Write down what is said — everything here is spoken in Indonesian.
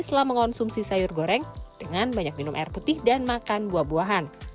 setelah mengonsumsi sayur goreng dengan banyak minum air putih dan makan buah buahan